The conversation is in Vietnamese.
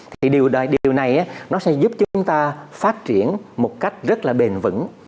thì điều này nó sẽ giúp chúng ta phát triển một cách rất là bền vững